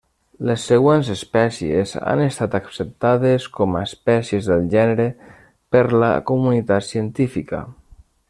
Les següents espècies han estat acceptades com a espècies del gènere per la comunitat científica.